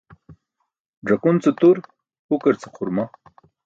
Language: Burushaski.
Ẓakun ce tur, hukar ce xurma.